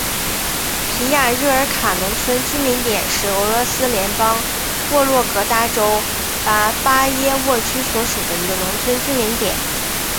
皮亚热尔卡农村居民点是俄罗斯联邦沃洛格达州巴巴耶沃区所属的一个农村居民点。